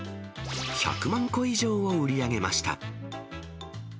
１００万個以上を売り上げました。